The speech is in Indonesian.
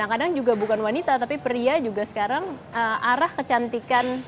kadang kadang juga bukan wanita tapi pria juga sekarang arah kecantikan